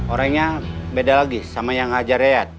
orangnya beda lagi sama yang ngajar yayat